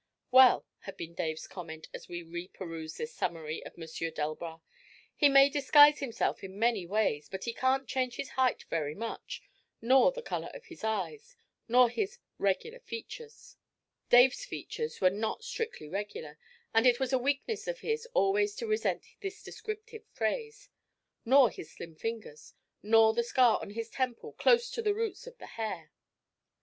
'Well,' had been Dave's comment as we reperused this summary of M. Delbras, 'he may disguise himself in many ways, but he can't change his height very much, nor the colour of his eyes, nor his "regular features"' Dave's features were not strictly regular, and it was a weakness of his always to resent this descriptive phrase 'nor his slim fingers, nor the scar on his temple close to the roots of the hair.'